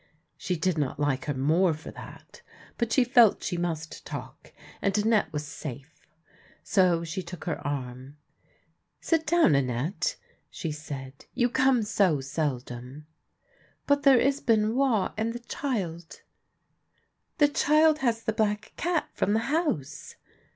She did not like her more for that, but she felt she must talk, and Annette was safe. So she took her arm. " Sit down, Annette," she said. " You come so sel dom." " But there is Benoit, and the child "" The child has the black cat from the House